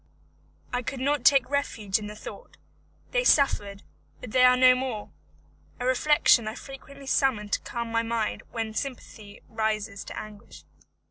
I could not take refuge in the thought: they suffered, but they are no more! a reflection I frequently summon to calm my mind when sympathy rises to anguish.